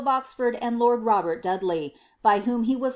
Oiford and lord Itobcrt Dud ley, by whom he was c»..